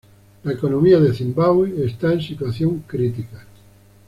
La economía de Zimbabwe está en situación crítica.